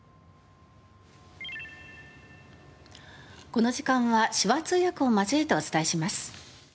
この時間は手話通訳を交えてお伝えします。